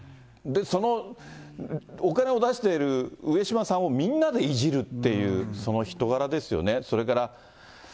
そのお金を出している上島さんをみんなでいじるっていう、その人柄ですよね。